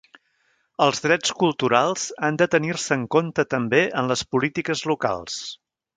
Els drets culturals han de tenir-se en compte també en les polítiques locals.